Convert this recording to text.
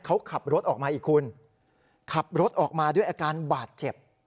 เขาขับรถออกมาอีกคุณขับรถออกมาด้วยอาการบาดเจ็บ